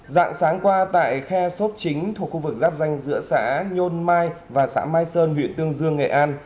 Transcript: dạng sáng qua tại khe xốp chính thuộc khu vực giáp danh giữa xã nhôn mai và xã mai sơn huyện tương dương nghệ an